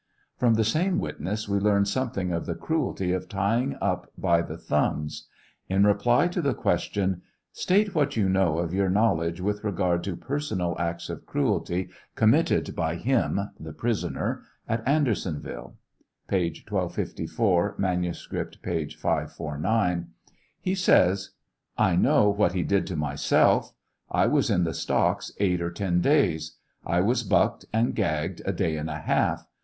From the same witness we learn something of the cruelty of tying up by the thumbs. In reply to the question — I State what you know of your own knowledge with regard to personal acts of cruelty com mitted by him (the prisoner) at Andersonville ? (p. 1254 ; manuscript, p. 549) — He says: I know what he did to myself. I was in the stocks eight or ten days. I was bucked and gagged a day and a half.